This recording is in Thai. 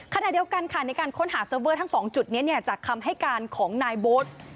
ขณะเดียวกันค่ะในการค้นหาเซิร์ฟเวอร์ทั้ง๒จุดนี้จากคำให้การของนายโบ๊ท